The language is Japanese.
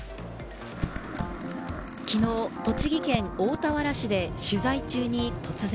きのう栃木県大田原市で取材中に突然。